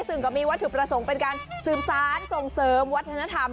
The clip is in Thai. ซึ่งก็มีวัตถุประสงค์เป็นการสืบสารส่งเสริมวัฒนธรรม